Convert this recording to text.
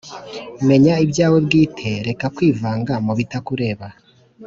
menya ibyawe bwite reka kwivanga mu bitakureba